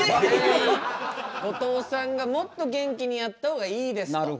後藤さんがもっと元気にやった方がいいですと。